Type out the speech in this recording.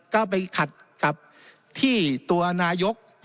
ก็ไปขัดกับที่ตัวนายก